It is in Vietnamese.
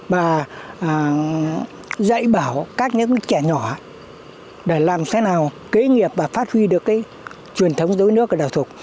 và dạy bảo các những trẻ nhỏ để làm thế nào kế nghiệp và phát huy được cái truyền thống dối nước ở đào thục